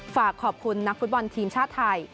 ฝากขอบคุณนักฟุตบอลทีมชาติไทย